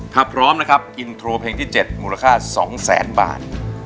ถ้าพร้อมนะครับอินโทรเพลงที่๗มูลค่า๒แสนบาท